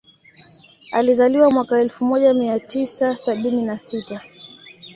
Alizaliwa mwaka elfu moja nia tisa sabini na sita